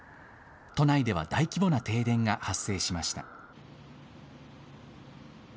都内では大規模な停電が発生しました。